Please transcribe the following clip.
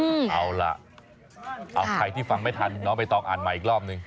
เอาล่ะใครที่ฟังไม่ทันไปต้องอ่านมาอีกรอบนึง